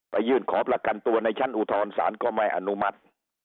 ยื่นขอประกันตัวในชั้นอุทธรศาลก็ไม่อนุมัติ